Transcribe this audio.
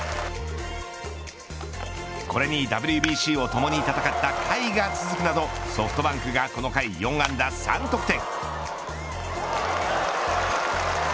これに、ＷＢＣを共に戦った甲斐が続くなどソフトバンクがこの回、４安打３得点。